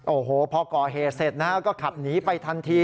โอ้โหพอก่อเหตุเสร็จนะฮะก็ขับหนีไปทันที